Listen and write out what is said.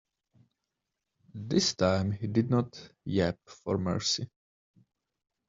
This time he did not yap for mercy.